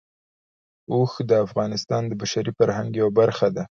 اوښ د افغانستان د بشري فرهنګ یوه برخه ده.